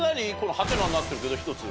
ハテナになってるけど一つ。